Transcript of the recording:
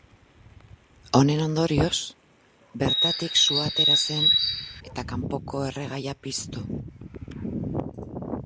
Honen ondorioz, bertatik sua atera zen eta kanpoko erregaia piztu.